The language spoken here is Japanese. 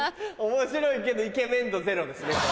面白いけどイケメン度ゼロですね。